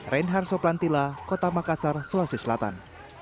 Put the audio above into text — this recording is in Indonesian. reinhard soplantila kota makassar sulawesi selatan